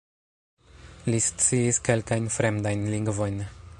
Li sciis kelkajn fremdajn lingvojn.